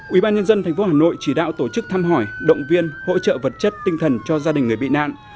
ủy ban nhân dân tp hà nội chỉ đạo tổ chức thăm hỏi động viên hỗ trợ vật chất tinh thần cho gia đình người bị nạn